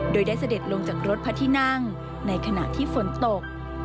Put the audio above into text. โดยได้เสด็จลงจากรถพระที่นั่งในขณะที่ฝนตก